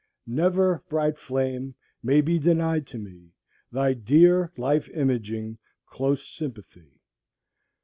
— "Never, bright flame, may be denied to me Thy dear, life imaging, close sympathy.